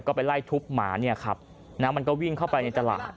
ก็ไปไล่ทุบหมาเนี่ยครับนะมันก็วิ่งเข้าไปในตลาด